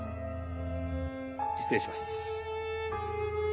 失礼します。